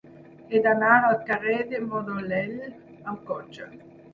He d'anar al carrer de Modolell amb cotxe.